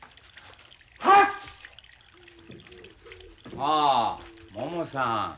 ああももさん。